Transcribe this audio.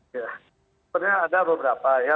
sebenarnya ada beberapa ya